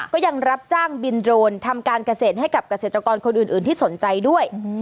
ก็ยังรับจ้างบินโดรนทำการเกษตรให้กับเกษตรกรคนอื่นที่สนใจด้วย